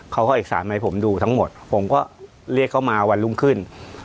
เขาก็เอกสารมาให้ผมดูทั้งหมดผมก็เรียกเขามาวันรุ่งขึ้น